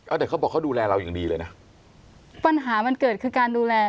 เอาแต่เขาบอกเขาดูแลเราอย่างดีเลยนะปัญหามันเกิดคือการดูแล